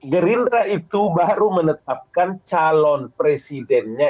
gerindra itu baru menetapkan calon presidennya